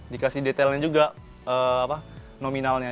dikasih detailnya juga nominalnya